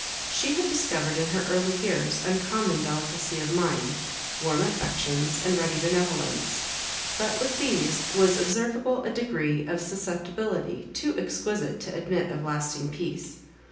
She had discovered in her early years uncommon delicacy of mind, warm affections, and ready benevolence; but with these was observable a degree of susceptibility too exquisite to admit of lasting peace.